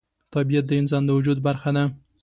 طبیعت د انسان د وجود برخه ده.